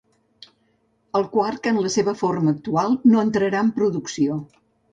El Quark en la seva forma actual no entrarà en producció.